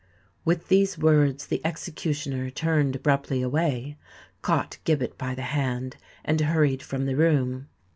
With these words the executioner turned abruptly away, caught Gibbet by the hand, and hurried from the room.